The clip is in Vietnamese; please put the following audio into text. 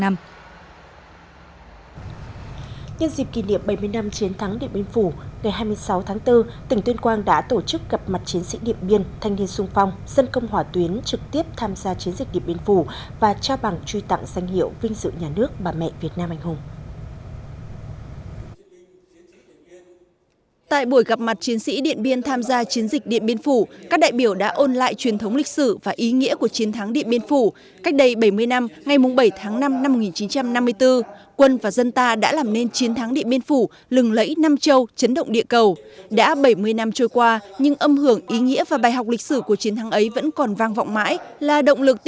nhân dịp kỷ niệm bảy mươi năm chiến thắng điện biên phủ ngày hai mươi sáu tháng bốn tỉnh tuyên quang đã tổ chức gặp mặt chiến sĩ điện biên thanh niên sung phong dân công hỏa tuyến trực tiếp tham gia chiến dịch điện biên phủ và trao bằng truy tặng danh hiệu vinh dự nhà nước bà mẹ việt nam anh hùng